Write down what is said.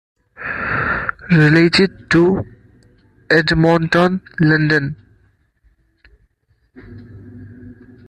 Related to Edmonton, London.